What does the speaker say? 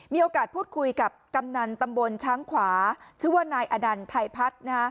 มีโอกาสพูดคุยกับกำนันตำบลช้างขวาชื่อว่านายอนันต์ไทยพัฒน์